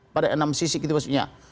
pada enam sisi kita maksudnya